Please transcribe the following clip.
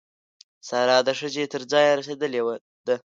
سارا د ښځې تر ځایه رسېدلې ده.